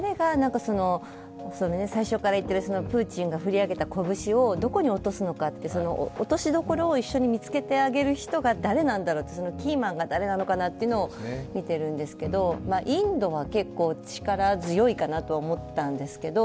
最初から言ってる、プーチンが振り上げた拳をどこに落とすのか、落としどころを一緒に見つけてあげる人が誰なんだろう、キーマンが誰なんだろうと見ているんですが、インドは結構力強いかなと思ったんですけど、